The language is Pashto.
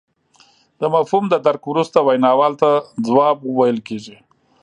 د مفهوم د درک وروسته ویناوال ته ځواب ویل کیږي